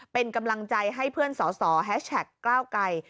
เป็นกำลังใจให้เพื่อนสอสอแฮชแท็กก้าวไกร